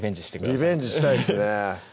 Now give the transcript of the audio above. リベンジしたいですね